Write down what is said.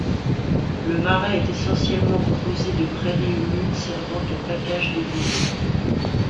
Le marais est essentiellement composé de prairies humides servant au pacage des bovins.